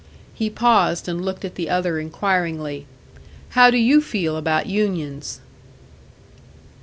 He paused, and looked at the other inquiringly. "How do you feel about unions?"